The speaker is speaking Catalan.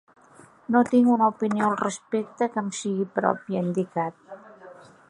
“No tinc una opinió al respecte que em sigui pròpia”, ha indicat.